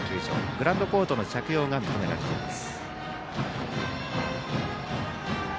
グラウンドコートの着用が認められています。